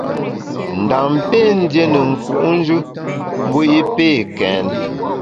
Ndam pé ndié ne nku’njù mbu i pé kèn.